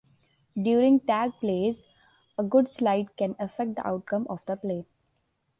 During tag plays, a good slide can affect the outcome of the play.